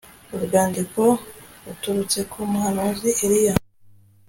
urwandiko h ruturutse ku muhanuzi eliya